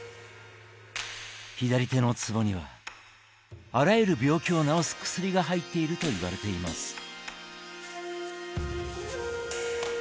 左手のつぼにはあらゆる病気を治す薬が入っているといわれています。